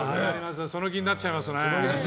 その気になっちゃいますね。